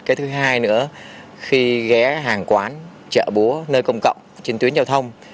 cái thứ hai nữa khi ghé hàng quán chợ búa nơi công cộng trên tuyến giao thông